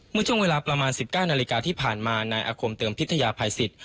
เมื่อช่วงเวลาประมาณ๑๙นาฬิกาที่ผ่านมานายอาคมเติมพิทยาภัยสิทธิ